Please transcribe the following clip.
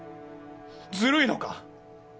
ずるいのか？